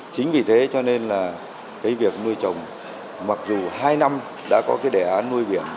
chính vì thế cho nên là cái việc nuôi trồng mặc dù hai năm đã có cái đề án nuôi biển